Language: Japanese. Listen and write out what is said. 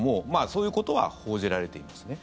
そういうことは報じられていますね。